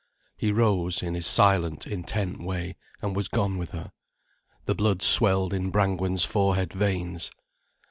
He rose, in his silent, intent way, and was gone with her. The blood swelled in Brangwen's forehead veins.